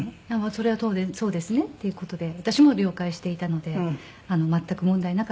それは当然そうですねっていう事で私も了解していたので全く問題なかったんですけれども。